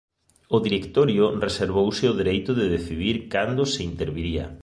O Directorio reservouse o dereito de decidir cando se interviría.